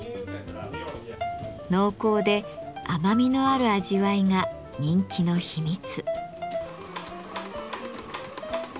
濃厚で甘みのある味わいが人気の秘密。